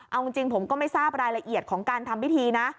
เอาจริงผมก็ไม่ทราบรายละเอียดของการทำพิธีนะ